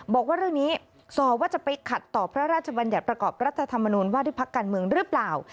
บอกว่าเรื่องนี้สอว่าจะไปขัดต่อพระราชบัญญัติประกอบรัฐธรรมนูญว่าด้วยพักการเมืองหรือเปล่า